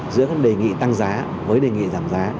giữa các đề nghị tăng giá với đề nghị giảm giá